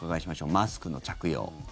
マスクの着用。